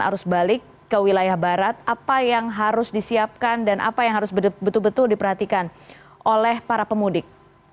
arus balik ke wilayah barat apa yang harus disiapkan dan apa yang harus betul betul diperhatikan oleh para pemudik